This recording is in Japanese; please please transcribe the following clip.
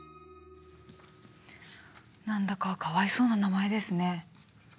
何だかかわいそうな名前ですね。